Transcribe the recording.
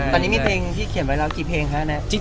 ตอนนี้มีเพลงที่เขียนไว้แล้วกี่เพลงคะแน็ก